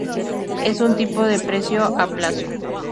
Es un tipo de precio a plazo.